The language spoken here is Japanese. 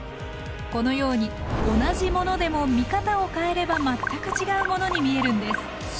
このように同じものでも見方を変えれば全く違うものに見えるんです。